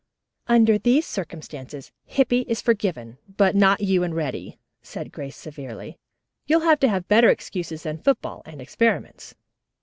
"Under those circumstances, Hippy is forgiven, but not you and Reddy!" said Grace severely. "You'll have to have better excuses than football and experiments."